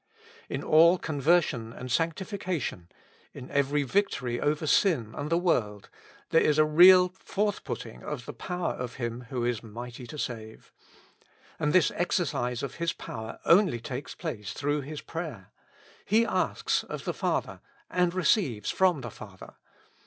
In all con version and sanctification, in every victory over sin and the world, there is a real forth putting of the power of Him who is mighty to save. And this ex ercise of His power only takes place through His prayer : He asks of the Father, and receives from the Father.